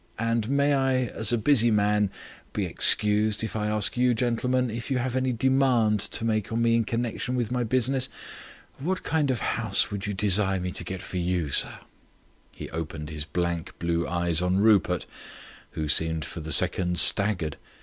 And may I, as a busy man, be excused if I ask you, gentlemen, if you have any demand to make of me in connection with my business. What kind of house would you desire me to get for you, sir?" He opened his blank blue eyes on Rupert, who seemed for the second staggered.